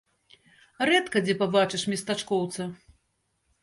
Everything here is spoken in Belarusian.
Рэдка дзе пабачыш местачкоўца.